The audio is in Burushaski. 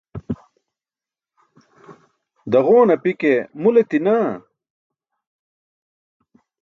Daġowan api ke mul etin naa.